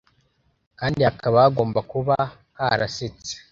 kandi hakaba hagomba kuba harasetse